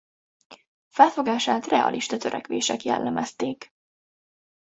Felfogását realista törekvések jellemezték.